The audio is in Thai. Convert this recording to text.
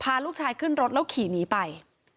พาลูกชายขึ้นรถแล้วขี่หนีไป